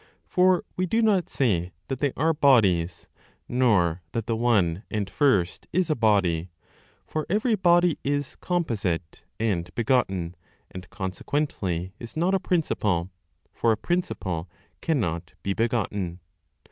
For we do not say that they are bodies, nor that the One and First is a body; for every body is composite and begotten, and consequently is not a principle; for a principle cannot be begotten.